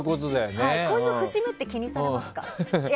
こういう節目って気にされますか？